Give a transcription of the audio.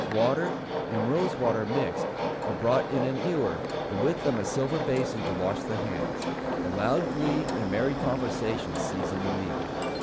Water, and rose water mixed, are brought in an ewer, and with them a silver bason to wash the hands; and loud glee and merry conversation season the meal.